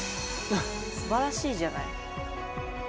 すばらしいじゃない。